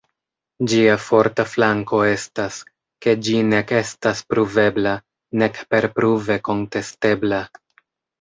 Ĝia forta flanko estas, ke ĝi nek estas pruvebla nek perpruve kontestebla.